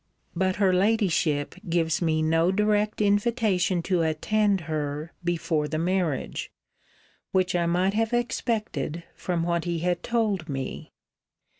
But her Ladyship gives me no direct invitation to attend her before the marriage: which I might have expected from what he had told me.